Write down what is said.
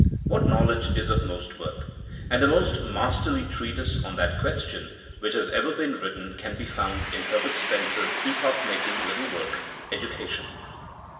What knowledge is of most worth T, and the most masterly treatise on that question which has ever been written can be found in Herbert Spen cer *s epoch making little work, Education.